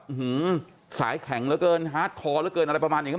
หือสายแข็งเหลือเกินฮาร์ดคอเหลือเกินอะไรประมาณอย่างนี้